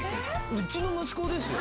うちの息子ですよ？